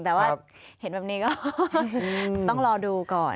แต่ว่าเห็นแบบนี้ก็ต้องรอดูก่อน